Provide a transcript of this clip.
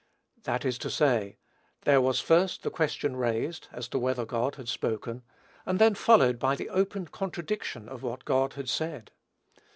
That is to say, there was first the question raised, as to whether God had spoken, and then followed the open contradiction of what God had said.